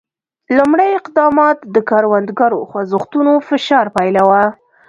لومړي اقدامات د کروندګرو خوځښتونو فشار پایله وه.